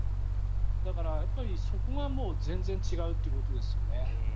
だから、そこが全然違うということですよね。